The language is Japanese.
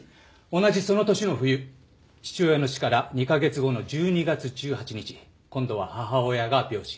同じその年の冬父親の死から２カ月後の１２月１８日今度は母親が病死。